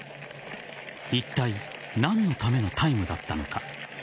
いったい何のためのタイムだったのか。